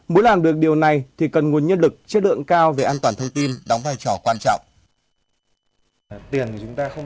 muốn làm được điều này thì cần nguồn nhân lực chất lượng cao về an toàn thông tin đóng vai trò quan trọng